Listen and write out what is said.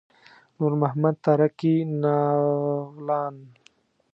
نور محمد تره کي ناولان.